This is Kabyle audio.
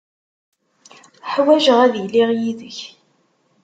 Ḥwajeɣ ad iliɣ yid-k.